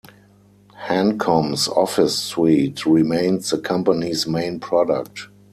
Hancom's Office Suite remains the company's main product.